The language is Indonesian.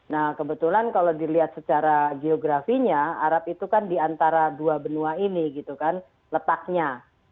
nah kebetulan kalau dilihat secara geografinya arab itu kan diantara dua benua ini gitu kan letaknya